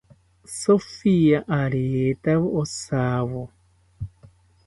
Sofia aretawo ojawo